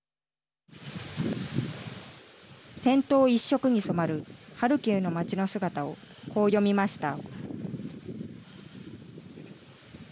戦闘一色に染まるハルキウの街の姿をこう詠みました。